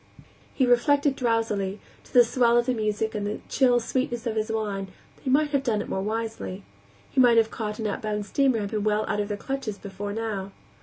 He reflected drowsily, to the swell of the music and the chill sweetness of his wine, that he might have done it more wisely. He might have caught an outbound steamer and been well out of their clutches before now.